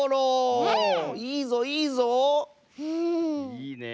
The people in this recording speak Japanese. いいね。